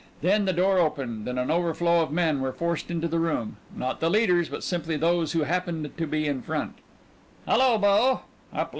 Then the door opened and an overflow of men were forced into the room not the leaders, but simply those who happened to be in front. "Hello, Bo!"